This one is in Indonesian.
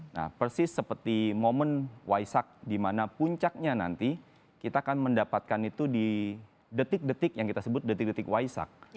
nah persis seperti momen waisak di mana puncaknya nanti kita akan mendapatkan itu di detik detik yang kita sebut detik detik waisak